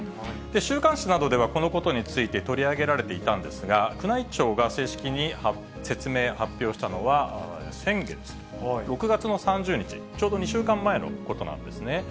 週刊誌などではこのことについて取り上げられていたんですが、宮内庁が正式に説明、発表したのは先月、６月の３０日、ちょうど２週間前のことなんですね。